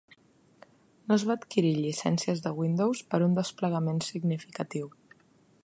No es va adquirir llicències de Windows per a un desplegament significatiu.